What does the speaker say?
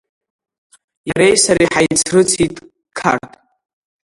Иареи сареи ҳаицрыҵит Қарҭ.